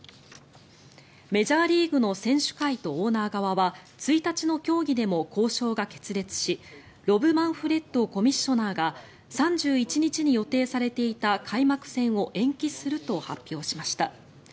メジャーリーグの選手会とオーナー側は１日の協議でも交渉が決裂しロブ・マンフレッドコミッショナーが３１日に予定されていた開幕戦を延期すると発表しました。